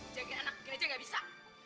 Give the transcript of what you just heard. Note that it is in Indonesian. jaga anak gereja nggak bisa